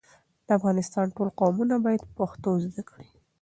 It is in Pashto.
د افغانستان ټول قومونه بايد پښتو زده کړي.